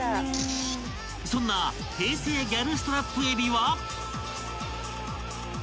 ［そんな平成ギャルストラップえびは］